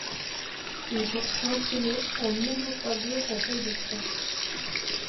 Ils sont imprimés en héliogravure en feuille de trente.